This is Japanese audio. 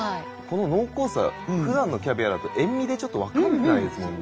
この濃厚さふだんのキャビアだと塩みでちょっと分かんないですもんね。